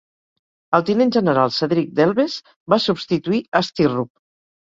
El tinent general Cedric Delves va substituir a Stirrup.